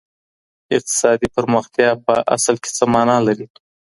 اقتصادي پرمختيا په اصل کي څه مانا لري؟